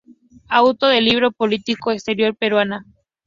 Autor del libro "Política Exterior Peruana.